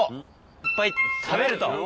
いっぱい食べると。